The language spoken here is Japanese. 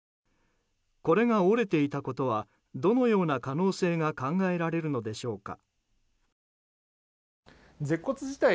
これが折れていたことはどのような可能性が考えられるのでしょうか。